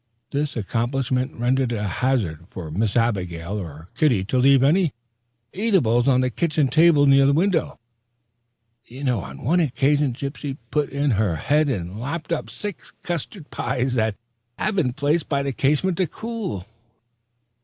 This accomplishment rendered it hazardous for Miss Abigail or Kitty to leave any eatables on the kitchen table near the window. On one occasion Gypsy put in her head and lapped up six custard pies that had been placed by the casement to cool.